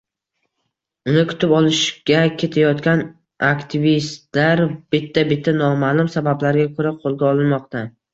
Uni kutib olishga ketayotgan aktivistlar bitta-bitta nomaʼlum sabablarga koʻra qoʻlga olinmoqda.